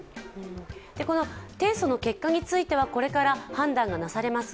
提訴の結果についてはこれから判断がなされます。